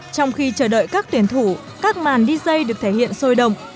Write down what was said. trong khi chờ đợi các tuyển thủ các màn dj được thể hiện sôi động